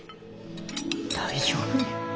大丈夫ね？